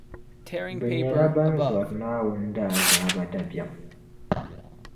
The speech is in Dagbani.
Bɛ nyɛla ban zɔri Naawuni daazaaba dabiɛm.